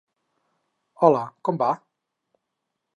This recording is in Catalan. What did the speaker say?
Hola, com va?